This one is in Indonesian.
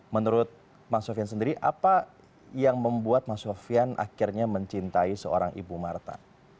menurut mas sofian sendiri apa yang membuat mas sofian akhirnya mencintai seorang ibu marta